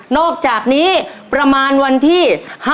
อกจากนี้ประมาณวันที่๕